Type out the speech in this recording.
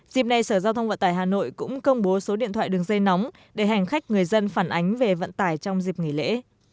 dịp này sở giao thông vận tải hà nội cũng công bố số điện thoại đường dây nóng để hành khách người dân phản ánh về vận tải trong dịp nghỉ lễ